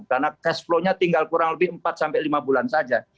karena cash flow nya tinggal kurang lebih empat sampai lima bulan saja